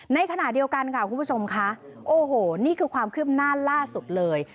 ในขณะเดียวกันค่ะคุณผู้ชมค่ะโอ้โหนี่คือความคืบหน้าล่าสุดเลย